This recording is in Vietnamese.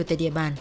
tại địa bàn